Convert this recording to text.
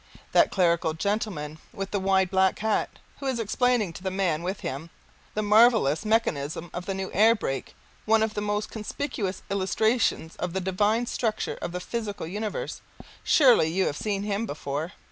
That clerical gentleman with the wide black hat, who is explaining to the man with him the marvellous mechanism of the new air brake (one of the most conspicuous illustrations of the divine structure of the physical universe), surely you have seen him before.